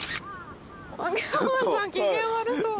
秋山さん機嫌悪そう。